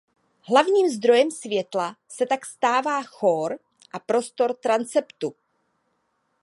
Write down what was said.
Hlavním zdrojem světla se tak stává chór a prostor transeptu.